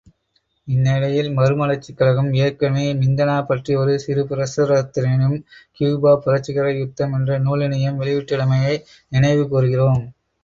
இந்நிலையில் மறுமலர்ச்சிக்கழம் ஏற்கனவே மிந்தனா பற்றி ஒரு சிறுபிரசுரத்தினையும், கியூபா புரட்சிகர யுத்தம் என்ற நூலினையும் வெளியிட்டுள்ளமையை நினைவுகூறுகிறோம்.